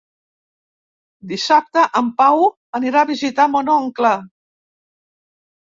Dissabte en Pau anirà a visitar mon oncle.